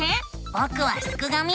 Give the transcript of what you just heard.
ぼくはすくがミ。